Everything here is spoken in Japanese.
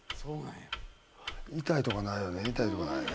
痛いとかないよね？